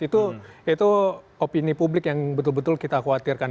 itu opini publik yang betul betul kita khawatirkan